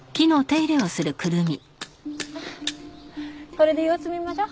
これで様子見ましょう。